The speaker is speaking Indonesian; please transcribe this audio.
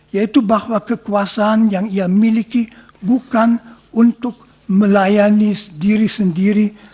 yaitu bahwa kekuasaan yang ia miliki bukan untuk melayani diri sendiri